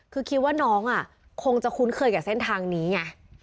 คือคิดว่าน้องคงจะคุ้นเคยกับเส้นทางนี้ไง